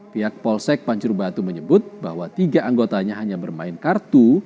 pihak polsek pancur batu menyebut bahwa tiga anggotanya hanya bermain kartu